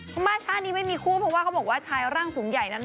เพราะว่าชาตินี้ไม่มีคู่เพราะว่าเขาบอกว่าชายร่างสูงใหญ่นั้น